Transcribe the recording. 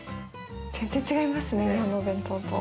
全然違いますね日本のお弁当と。